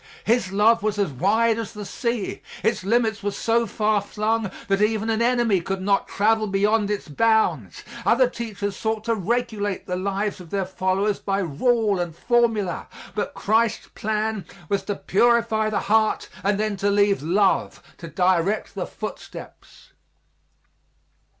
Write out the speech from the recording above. His love was as wide as the sea; its limits were so far flung that even an enemy could not travel beyond its bounds. Other teachers sought to regulate the lives of their followers by rule and formula, but Christ's plan was to purify the heart and then to leave love to direct the footsteps.